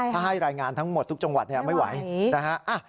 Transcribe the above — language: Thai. ถ้าให้รายงานทั้งหมดทุกจังหวัดไม่ไหวนะฮะ